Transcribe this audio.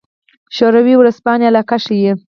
شوروي ورځپاڼې علاقه ښيي.